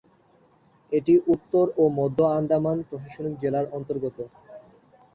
এটি উত্তর ও মধ্য আন্দামান প্রশাসনিক জেলার অন্তর্গত।